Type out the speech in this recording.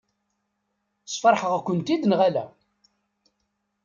Sfeṛḥeɣ-kent-id neɣ ala?